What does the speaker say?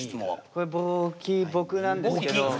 これぼき僕なんですけど。